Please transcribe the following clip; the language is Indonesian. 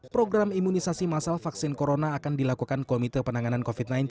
program imunisasi masal vaksin corona akan dilakukan komite penanganan covid sembilan belas